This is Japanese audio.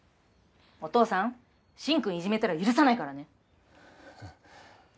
お父さん進くんいじめたら許さないからね。